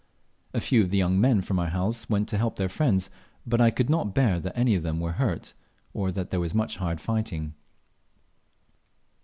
A few of the young men from our house went to help their friends, but I could not bear that any of them were hurt, or that there was much hard fighting.